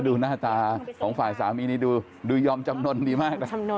ดูหน้าตาของสามีดูอย่อมจำนรจะดีมาก